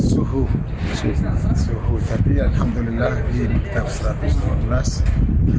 suhu suhu suhu tapi alhamdulillah di maktab satu ratus dua belas kita sudah pakai